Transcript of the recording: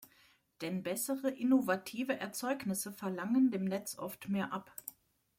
Denn bessere, innovative Erzeugnisse verlangen dem Netz oft mehr ab.